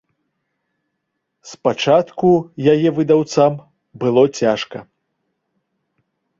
Спачатку яе выдаўцам было цяжка.